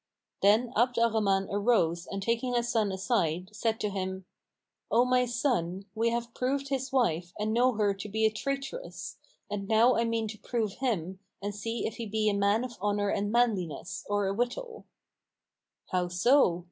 "[FN#464] Then Abd al Rahman arose and taking his son aside, said to him, "O my son, we have proved his wife and know her to be a traitress; and now I mean to prove him and see if he be a man of honour and manliness, or a wittol."[FN#465] "How so?"